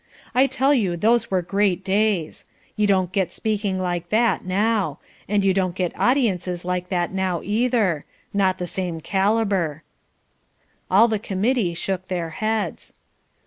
I tell you those were great days. You don't get speaking like that now; and you don't get audiences like that now either. Not the same calibre." All the Committee shook their heads.